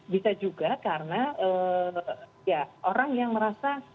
bisa juga karena ya orang yang merasa